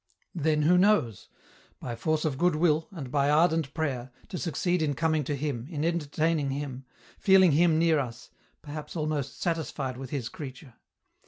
Then, who knows ? By force of good will, and by ardent prayer, to succeed in coming to Him, in entertaining Him, feeling Him near us, perhaps almost satisfied with His creature.